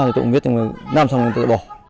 thì tụi mình biết là làm xong rồi tự bỏ